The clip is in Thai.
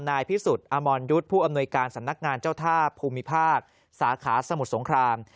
พิสุทธิ์อมรยุทธ์ผู้อำนวยการสำนักงานเจ้าท่าภูมิภาคสาขาสมุทรสงคราม